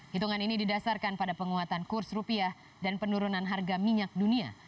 hitungan ini didasarkan pada penguatan kurs rupiah dan penurunan harga minyak dunia